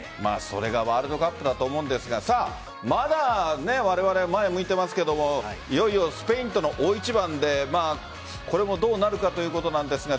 それがワールドカップだと思うんですがまだ、われわれ前を向いてますがいよいよスペインとの大一番でこれもどうなるかということなんですが